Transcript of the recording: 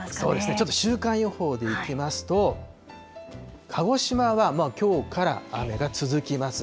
ちょっと週間予報でいきますと、鹿児島はきょうから雨が続きます。